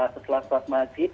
setelah sholat maghrib